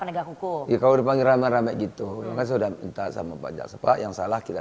penegak hukum dipanggil ramai ramai gitu saya sudah minta sama pak jaksa yang salah kita